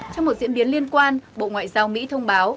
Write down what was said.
trong một diễn biến liên quan bộ ngoại giao mỹ thông báo